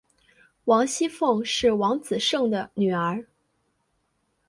王熙凤是王子胜的女儿。